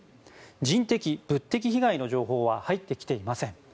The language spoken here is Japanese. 人的・物的被害の情報は入ってきていません。